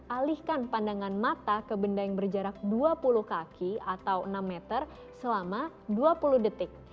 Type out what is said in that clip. alihkan pandangan mata ke benda yang berjarak dua puluh kaki atau enam meter selama dua puluh detik